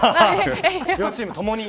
両チームともに。